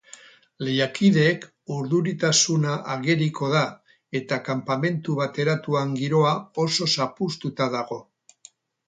Lehiakideek urduritasuna ageriko da eta kanpamentu bateratuan giroa oso zapuztuta dago.